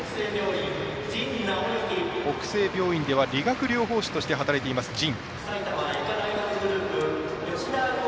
北星病院では理学療法士として働いています、神。